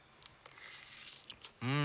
うん！